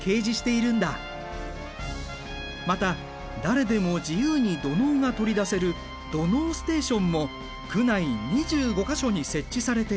また誰でも自由に土のうが取り出せる土のうステーションも区内２５か所に設置されている。